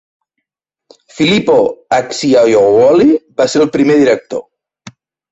Filippo Acciaiuoli va ser el primer director.